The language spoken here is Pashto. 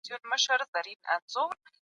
تاسي باید په ژوند کي له چا ونه وېرېږئ.